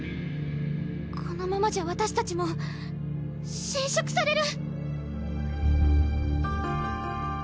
このままじゃ私たちも侵蝕される！